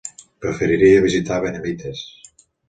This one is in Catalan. Preferiria visitar Benavites.